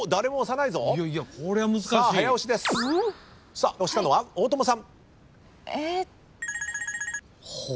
押したのは大友さん。